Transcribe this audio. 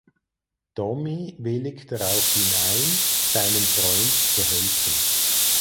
Tommy willigt daraufhin ein seinem Freund zu helfen.